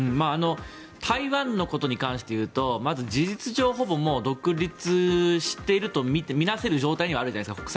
台湾のことに関して言うとまず事実上ほぼ独立していると見なせる状態にはあるじゃないですか。